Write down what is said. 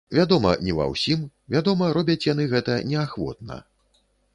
Вядома, не ва ўсім, вядома, робяць яны гэта неахвотна.